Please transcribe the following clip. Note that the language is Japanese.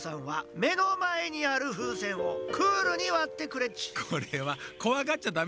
はめのまえにある風船をクールに割ってくれっち。